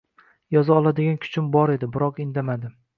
Yoza oladigan kuchim bor edi biroq indamadim.